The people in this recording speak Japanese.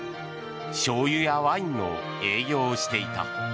しょうゆやワインの営業をしていた。